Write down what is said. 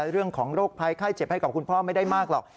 เรื่องของโรคไพรไข้เจ็บให้กับคุณพ่อไม่ได้มากหรอก